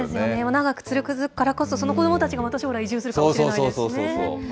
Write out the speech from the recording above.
長く続くからこそ、その子どもたちがまた将来、移住するかもしれないですしね。